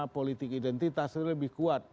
politik identitas itu lebih kuat